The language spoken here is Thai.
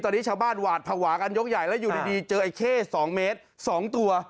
ตอนนี้ชาวบ้านหวาดภาวะกันยกใหญ่แล้วอยู่ดีเจอไอ้เข้๒เมตร๒ตัว